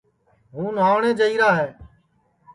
ہُوں نُھاوٹؔیں جائیرا ہے